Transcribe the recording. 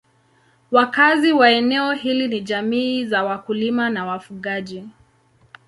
Wakazi wa eneo hili ni jamii za wakulima na wafugaji.